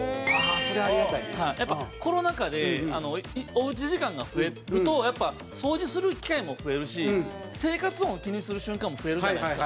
水田：やっぱり、コロナ禍でおうち時間が増えるとやっぱ、掃除する機会も増えるし生活音を気にする瞬間も増えるじゃないですか。